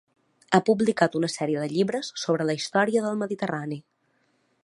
Ha publicat una sèrie de llibres sobre la història del Mediterrani.